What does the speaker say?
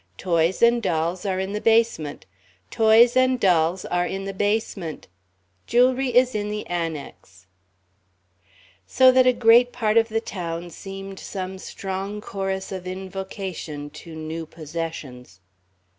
Toys and dolls are in the basement toys and dolls are in the basement. Jewelry is in the Annex...." So that a great part of the town seemed some strong chorus of invocation to new possessions.